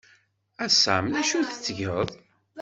A Sam, d acu tettgeḍ?